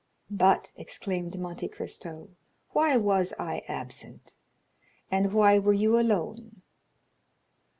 "But," exclaimed Monte Cristo, "why was I absent? And why were you alone?"